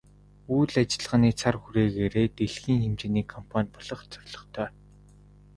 Үйл ажиллагааны цар хүрээгээрээ дэлхийн хэмжээний компани болох зорилготой.